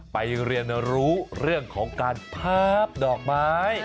ไปเรียนรู้เรื่องของการพับดอกไม้